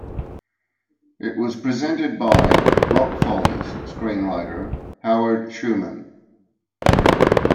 It was presented by "Rock Follies" screenwriter Howard Schuman.